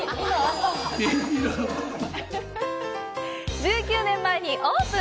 １９年前にオープン！